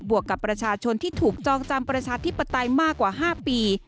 วกกับประชาชนที่ถูกจองจำประชาธิปไตยมากกว่า๕ปี